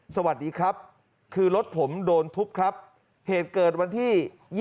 สวัสดีครับคือรถผมโดนทุบครับเหตุเกิดวันที่๒๒